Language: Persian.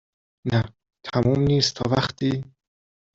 نه ، تموم نیست تا وقتی